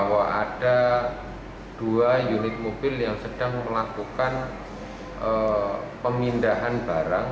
ada dua unit mobil yang sedang melakukan pemindahan barang